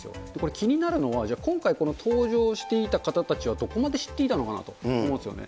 気になるのは、今回、搭乗していた方たちはどこまで知っていたのかなと思うんですよね。